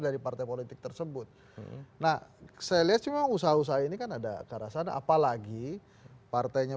dari partai politik tersebut nah saya liat memang usaha usaha ini kan ada kerasa ada apalagi partainya